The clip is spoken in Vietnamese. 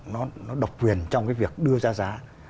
nó độc quyền trong cái việc đưa ra giá